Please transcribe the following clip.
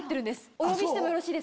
お呼びしてもよろしいですか？